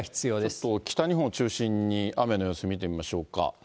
ちょっと北日本を中心に雨の様子見てみましょうか。